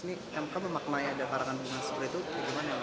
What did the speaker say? ini mk memaknai ada karangan bunga seperti itu gimana pak